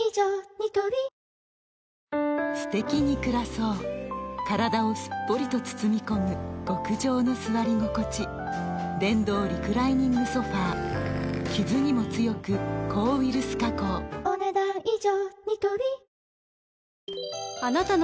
ニトリすてきに暮らそう体をすっぽりと包み込む極上の座り心地電動リクライニングソファ傷にも強く抗ウイルス加工お、ねだん以上。